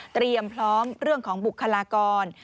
เตรียมพร้อมเรื่องของบุคลากร